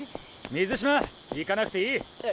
水嶋行かなくていい。